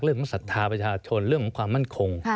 เรื่องของศรัทธาประชาชนเรื่องของความมั่นคง